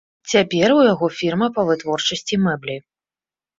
Цяпер у яго фірма па вытворчасці мэблі.